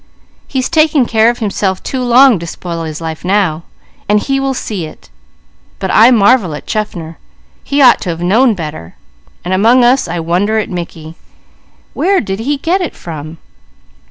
He's taken care of himself too long to spoil his life now, and he will see it; but I marvel at Chaffner. He ought to have known better. And among us, I wonder at Mickey. Where did he get it from?"